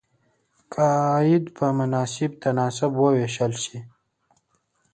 که عاید په مناسب تناسب وویشل شي.